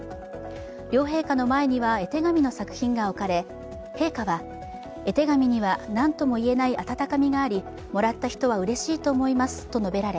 両陛下の前には絵手紙の作品が置かれ陛下は、絵手紙にはなんとも言えない温かみがあり、もらった人はうれしいと思いますと述べられ、